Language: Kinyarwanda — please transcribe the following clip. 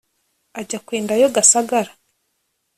ajya kwenda yo gasagara